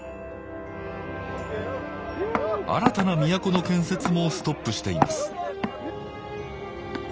新たな都の建設もストップしています